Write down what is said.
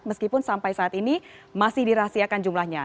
meskipun sampai saat ini masih dirahasiakan jumlahnya